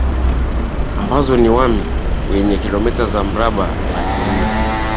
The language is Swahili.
ambayo ni Wami wenye kilometa za mraba laki nne